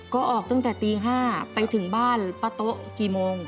ก็ออกตั้งแต่ตี๕ไปถึงบ้านป้าโต๊ะกี่โมง